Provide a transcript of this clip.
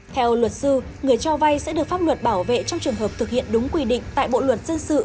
theo luật sư người cho vay sẽ được pháp luật bảo vệ trong trường hợp thực hiện đúng quy định tại bộ luật dân sự